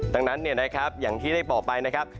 ดังนั้นอย่างที่ได้บอกไปนะครับ